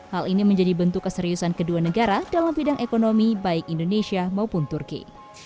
hal ini menjadi bentuk keseriusan kedua negara dalam bidang ekonomi baik indonesia maupun turki